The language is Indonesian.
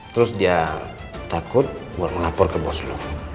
terus dia takut buat melapor ke bos lo